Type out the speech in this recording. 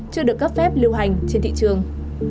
chưa được cấp phép lưu hành trên thị trường